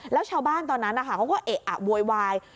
แล้วชาวบ้านตอนนั้นนะคะเขาก็เอะอะโวยวาย